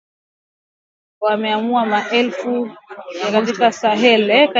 Wameua maelfu ya watu na kuwalazimisha zaidi ya watu milioni mbili kukimbia nyumba zao katika Sahel